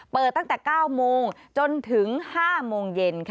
เปิดตั้งแต่๙โมงจนถึง๕โมงเย็น